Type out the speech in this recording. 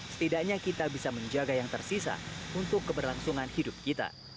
setidaknya kita bisa menjaga yang tersisa untuk keberlangsungan hidup kita